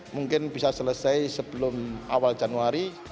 mungkin bisa selesai sebelum awal januari